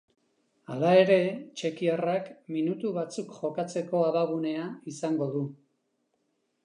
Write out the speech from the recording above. Hala ere, txekiarrak minutu batzuk jokatzeko abagunea izango du.